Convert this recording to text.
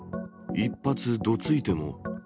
１発どついても？